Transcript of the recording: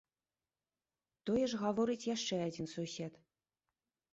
Тое ж гаворыць яшчэ адзін сусед.